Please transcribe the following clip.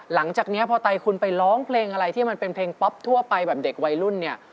หลังจากนี้พอไตคุณไปร้องเพลงอะไรที่มันเป็นเพลงป๊อปทั่วไปแบบเด็กวัยรุ่นเนี่ย